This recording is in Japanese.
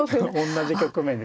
同じ局面ですね。